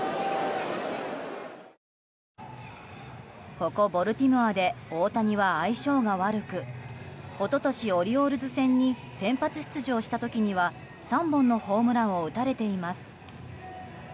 ここボルティモアで大谷は相性が悪く一昨年、オリオールズ戦に先発出場した時には３本のホームランを打たれています。